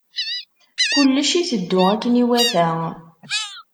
Kullec iteddu akken iwata.